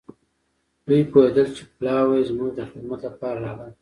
دوی پوهېدل چې پلاوی زموږ د خدمت لپاره راغلی.